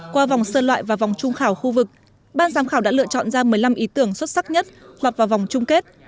qua vòng sơ loại và vòng trung khảo khu vực ban giám khảo đã lựa chọn ra một mươi năm ý tưởng xuất sắc nhất lọt vào vòng chung kết